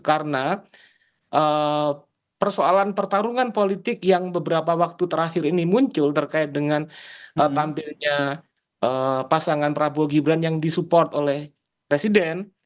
karena persoalan pertarungan politik yang beberapa waktu terakhir ini muncul terkait dengan tampilnya pasangan prabowo gibrane yang disupport oleh presiden